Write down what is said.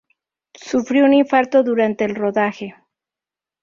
Sufrió un infarto durante el rodaje.